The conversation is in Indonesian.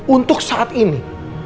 untuk saat ini